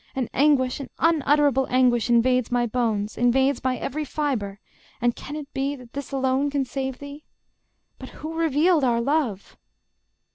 An anguish, an unutterable anguish, Invades my bones, invades my every fibre... And can it be that this alone can save thee?... But who revealed our love?